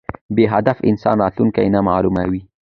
بی هدف انسان راتلونکي نامعلومه وي